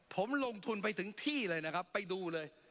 ผมลงทุนไปถึงที่เลยนะครับไปดูเลย